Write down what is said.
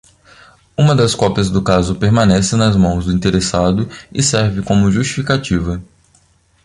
Uma das cópias do caso permanece nas mãos do interessado e serve como justificativa.